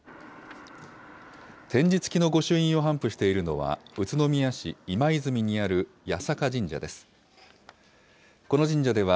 点字付きの御朱印を頒布しているのは、宇都宮市今泉にある八坂神社です。